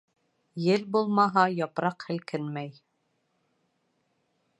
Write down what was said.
Ел булмаһа япраҡ һелкенмәй.